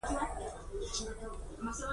لکه ته چي وايې، لومړی باید سټریسا ته ولاړ شم.